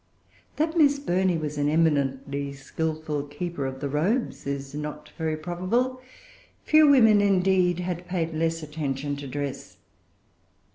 That Miss Burney was an eminently skilful keeper of the robes is not very probable. Few women, indeed, had paid less attention to dress.